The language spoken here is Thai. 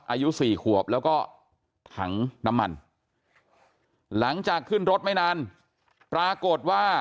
อายุสี่ขวบแล้วก็ถังน้ำมันหลังจากขึ้นรถไม่นานปรากฏว่า